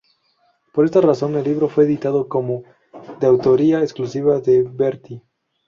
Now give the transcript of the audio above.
Por esa razón el libro fue editado como de autoría exclusiva de Berti.